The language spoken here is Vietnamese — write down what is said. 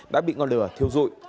đã bị ngọn lửa thiêu rụi